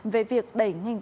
về việc đẩy ngành tiến sĩ